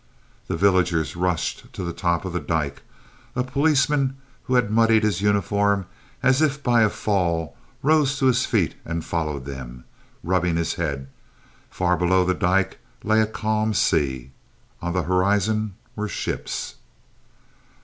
The villagers rushed to the top of the dyke. A policeman who had muddied his uniform as if by a fall rose to his feet and followed them, rubbing his head. Far below the dyke lay a calm sea. On the horizon were ships.